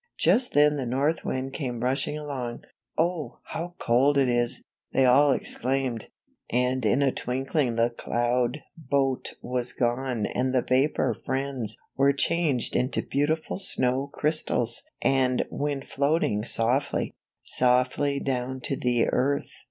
Just then the North Wind came rushing along. "Oh, how cold it is!" they all ex claimed; and in a twinkling the cloud boat was gone and the vapor friends were changed into beautiful snow crystals and went floating softly, softly down to the earth.